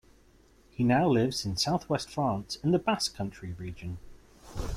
He now lives in South-West France in the Basque Country region.